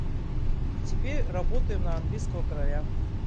И теперь работаем на английского короля.